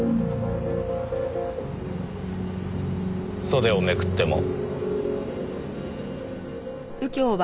袖をめくっても？